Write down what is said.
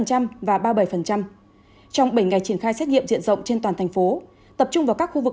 trong bảy ngày triển khai xét nghiệm diện rộng trên toàn thành phố tập trung vào các khu vực